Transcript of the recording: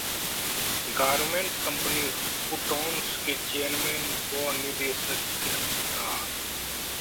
garment company Kutons के chairman व निदेशक गिरफ्तार